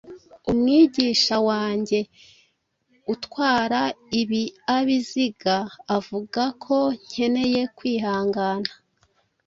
Umwigisha wanjye utwara ibiabiziga avuga ko nkeneye kwihangana.